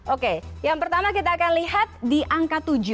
oke yang pertama kita akan lihat di angka tujuh